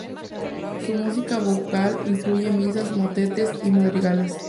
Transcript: Su música vocal incluye misas, motetes y madrigales.